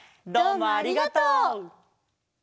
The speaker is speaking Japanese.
どうもありがとう！